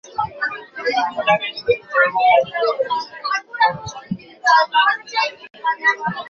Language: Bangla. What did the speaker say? দেশে মুক্তিযুদ্ধ শুরু হলে যুদ্ধে যোগ দেন তিনি।